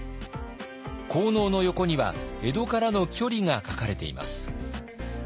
効能の横には江戸からの距離が書かれています。